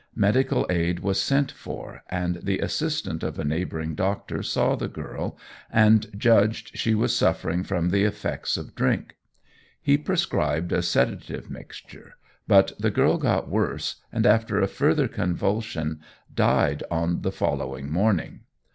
Medical aid was sent for, and the assistant of a neighbouring doctor saw the girl, and judged she was suffering from the effects of drink. He prescribed a sedative mixture, but the girl got worse, and, after a further convulsion, died on the following morning.